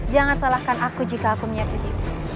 jangan salahkan aku jika aku menyakitimu